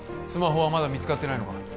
スマホはまだ見つかってないのか？